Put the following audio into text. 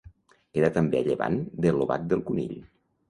Queda també a llevant de l'Obac del Conill.